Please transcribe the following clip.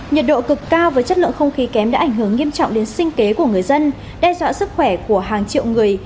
nhiệt độ cực cao với chất lượng không khí kém đã ảnh hưởng nghiêm trọng đến sinh kế của người dân đe dọa sức khỏe của hàng triệu người